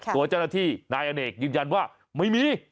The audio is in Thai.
ตัวเจ้าหน้าที่นายอเนกยืนยันว่าไม่มี